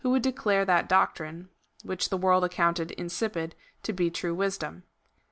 103 would declare that doctrine, which the world accounted in sipid, to be true wisdom.